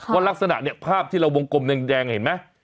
ลักษณะเนี่ยภาพที่เราวงกลมแดงเห็นไหม